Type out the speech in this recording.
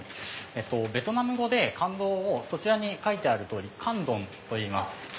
ベトナム語で感動をそちらに書いてあるカンドンといいます。